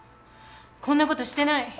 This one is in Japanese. こんなことしてない。